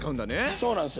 そうなんすよ。